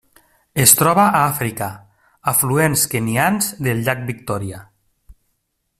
Es troba a Àfrica: afluents kenyans del llac Victòria.